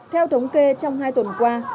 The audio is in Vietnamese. theo thống kê trong hai tuần qua